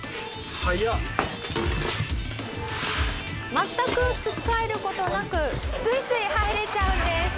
「全くつっかえる事なくスイスイ入れちゃうんです」